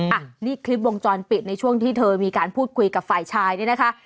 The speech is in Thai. อ่ะนี่คลิปวงจรปิดในช่วงที่เธอมีการพูดคุยกับฝ่ายชายเนี่ยนะคะ